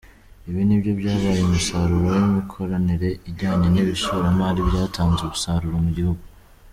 Ibi nibyo byabyaye umusaruro w’imikoranire ijyanye n’ishoramari ryatanze umusaruro mu gihugu.